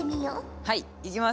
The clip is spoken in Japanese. はいいきます。